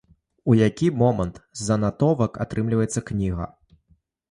У які момант з занатовак атрымліваецца кніга?